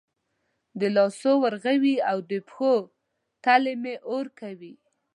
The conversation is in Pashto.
د لاسو ورغوي او د پښو تلې مې اور کوي